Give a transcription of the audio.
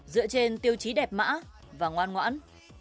dựa trên tiêu chí đẹp mã và ngoan ngoãn